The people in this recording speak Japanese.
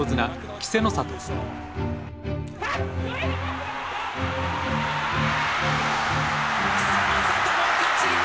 稀勢の里の勝ち！